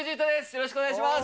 よろしくお願いします。